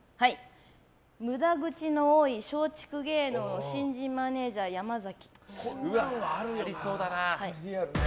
無駄口の多い松竹芸能の新人マネジャー山崎。